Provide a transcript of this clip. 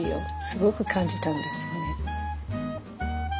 すごく感じたんですよね。